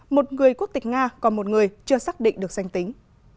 một người quốc tịch nga còn một người chưa xác định được danh tính